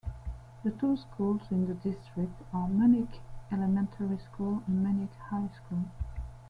The two schools in the district are Munich Elementary School and Munich High School.